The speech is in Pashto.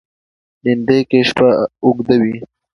لېندۍ کې شپه اوږده وي.